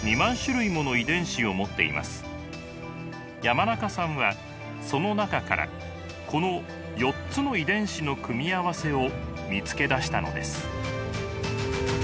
山中さんはその中からこの４つの遺伝子の組み合わせを見つけ出したのです。